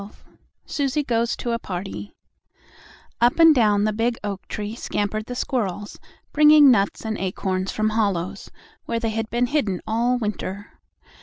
XII SUSIE GOES TO A PARTY Up and down the big oak tree scampered the squirrels, bringing nuts and acorns from hollows, where they had been hidden all winter.